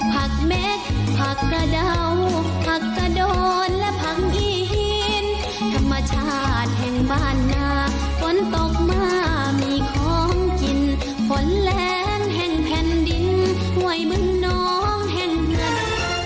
ผักเม็กผักกระเดาวผักกระโดนและผักอีฮีนธรรมชาติแห่งบ้านนาฝนตกมามีของกินฝนแรงแห่งแผ่นดินห้วยเมืองน้องแห่งเมือง